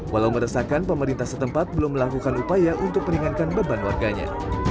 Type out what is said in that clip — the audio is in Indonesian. walau meresahkan pemerintah setempat belum melakukan upaya untuk meringankan beban warganya